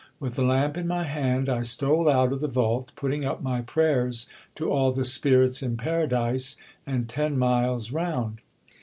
With the lamp in my hand, I stole out of the vault, putting up my prayers to all the spirits in paradise, and ten miles round.